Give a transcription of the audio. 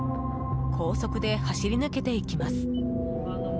高速で走り抜けていきます。